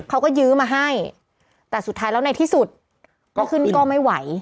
ยื้อมาให้แต่สุดท้ายแล้วในที่สุดก็ขึ้นก็ไม่ไหว